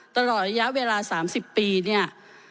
ตลอดระยะเวลา๓๐ปีเนี่ย